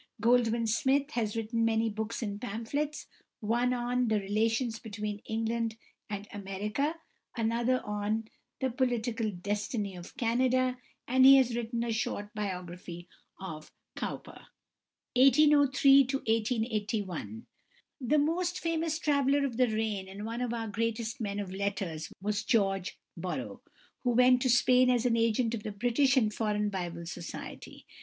Goldwin Smith has written many books and pamphlets, one on "The Relations between England and America," another on "The Political Destiny of Canada," and he has written a short biography of Cowper. The most famous traveller of the reign and one of our greatest men of letters was =George Borrow (1803 1881)=, who went to Spain as an agent of the British and Foreign Bible Society.